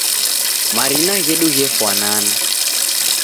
Marina ghedu ghefwanana.